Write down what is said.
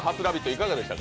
いかがでした？